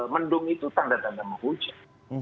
mendung itu tanda tanda mau hujan